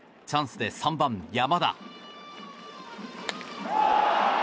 チャンスで３番、山田。